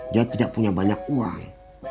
dia tidak punya banyak uang